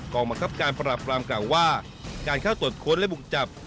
บังคับการปราบรามกล่าวว่าการเข้าตรวจค้นและบุกจับ